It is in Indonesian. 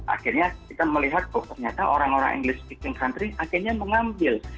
akhirnya kita melihat kok ternyata orang orang english speaking country akhirnya mengambil